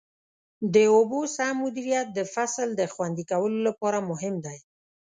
د اوبو سم مدیریت د فصل د خوندي کولو لپاره مهم دی.